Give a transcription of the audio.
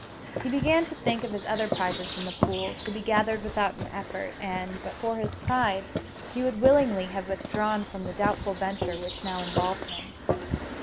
He began to think of his other prizes in the pool, to be gathered without an effort; and, but for his pride, he would willingly have withdrawn from the doubtful venture which now involved him.